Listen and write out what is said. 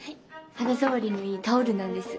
肌触りのいいタオルなんです。